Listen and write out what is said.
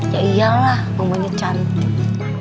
ya iyalah mamanya cantik